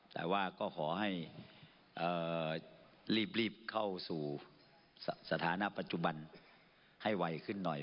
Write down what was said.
แต่ว่าก็ขอให้รีบเข้าสู่สถานะปัจจุบันให้ไวขึ้นหน่อย